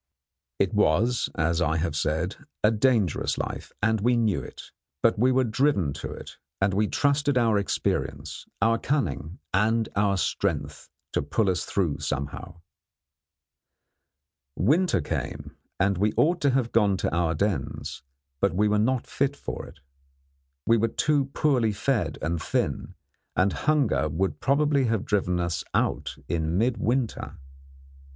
It was, as I have said, a dangerous life, and we knew it; but we were driven to it, and we trusted to our experience, our cunning, and our strength, to pull us through somehow. Winter came, and we ought to have gone to our dens, but we were not fit for it. We were too poorly fed and thin, and hunger would probably have driven us out in midwinter.